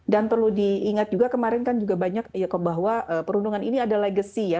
dan perlu diingat juga kemarin kan juga banyak bahwa perundungan ini ada legacy ya